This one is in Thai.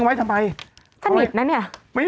ฮะทำขึ้นมา